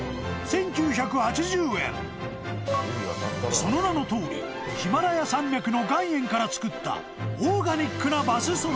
［その名のとおりヒマラヤ山脈の岩塩から作ったオーガニックなバスソルト］